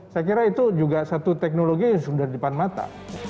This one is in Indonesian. saya kira itu juga satu teknologi yang sudah di depan mata